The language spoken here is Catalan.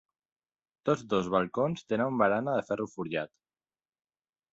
Tots dos balcons tenen barana de ferro forjat.